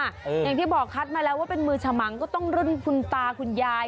อย่างที่บอกคัดมาแล้วว่าเป็นมือฉมังก็ต้องรุ่นคุณตาคุณยาย